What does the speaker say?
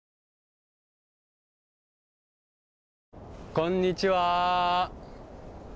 こんにちは。